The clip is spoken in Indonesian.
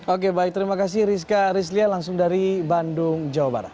oke baik terima kasih rizka rizlia langsung dari bandung jawa barat